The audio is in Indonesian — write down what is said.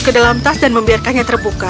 ke dalam tas dan membiarkannya terbuka